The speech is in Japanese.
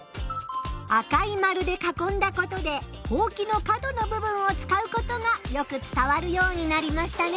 赤い丸でかこんだことでほうきの角の部分を使うことがよく伝わるようになりましたね。